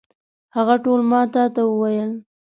هغه ټول ما تا ته وویل.